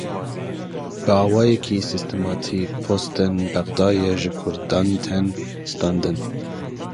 Bi awayekî sîstematîk postên Bexdayê ji Kurdan tên standin.